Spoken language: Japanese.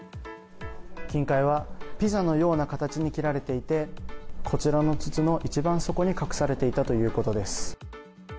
金塊はピザのような形に切られていてこちらの筒の一番底に隠されていたということです。